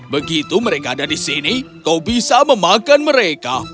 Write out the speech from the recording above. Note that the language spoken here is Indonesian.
begitu mereka ada di sini kau bisa memakan mereka